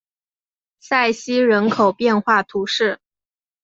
塞西人口变化图示